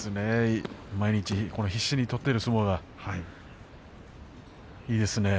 毎日必死に取っている相撲がいいですよね。